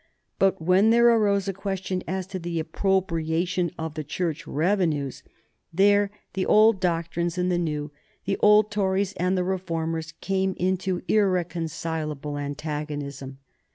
But when there arose a question as to the appropriation of the Church revenues, there the old doctrines and the new, the old Tories and the new Reformers, came into irreconcilable antagonism.